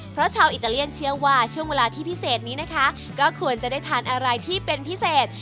เพราะชาวอิตาเลียนเชื่อว่าช่วงเวลาที่พิเศษนี้นะคะก็ควรจะได้ทานอะไรที่เป็นพิเศษ